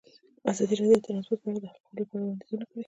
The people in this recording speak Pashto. ازادي راډیو د ترانسپورټ په اړه د حل کولو لپاره وړاندیزونه کړي.